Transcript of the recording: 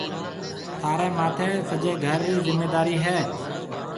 ٿاريَ ماٿي سجيَ گهر رِي زميندارِي هيَ۔